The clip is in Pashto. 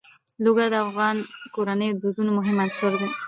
لوگر د افغان کورنیو د دودونو مهم عنصر دی.